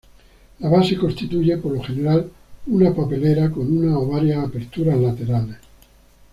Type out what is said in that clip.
La base constituye por lo general una papelera con una o varias aperturas laterales.